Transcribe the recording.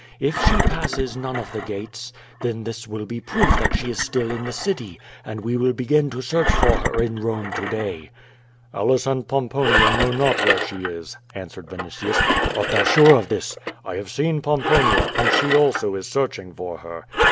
If she passes none of the gates, then this will be proof that she is still in the city, and we will begin to search for her in Eome to day.'' "Aulas and Pomponia know not where she is," answered Vinitius. "Art thou sure of that?" 'I have seen Pomponia, and she also is searching for her."